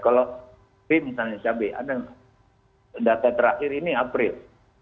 kalau b misalnya cabai ada data terakhir ini april